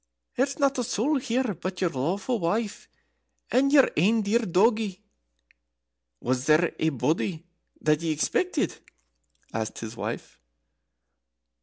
"There's not a soul here but your lawful wife and your ain dear doggie. Was there ae body that ye expected?" asked his wife.